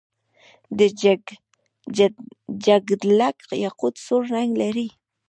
د جګدلک یاقوت سور رنګ لري.